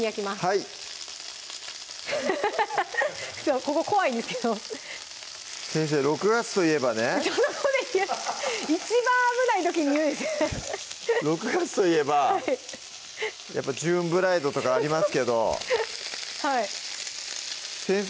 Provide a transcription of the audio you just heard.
はいそうここ怖いんですけど先生６月といえばね一番危ない時に言うんですね６月といえばやっぱジューンブライドとかありますけど先生